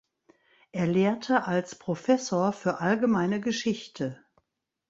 Er lehrte als Professor für allgemeine Geschichte.